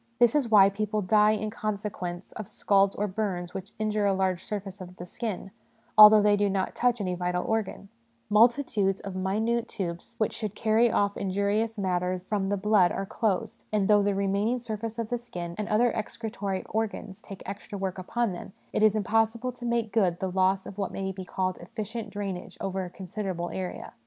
This is why people die in consequence of scalds or burns which injure a large surface of the skin, although they do not touch any vital organ ; multitudes of minute tubes which should carry off injurious matters from 36 HOME EDUCATION the blood are closed, and, though the remaining sur face of the skin and the other excretory organs take extra work upon them, it is impossible to make good the loss of what may be called efficient drainage over a considerable area.